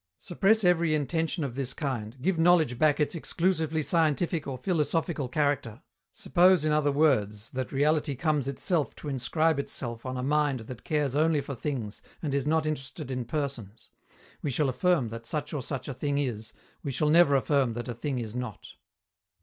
Suppress every intention of this kind, give knowledge back its exclusively scientific or philosophical character, suppose in other words that reality comes itself to inscribe itself on a mind that cares only for things and is not interested in persons: we shall affirm that such or such a thing is, we shall never affirm that a thing is not.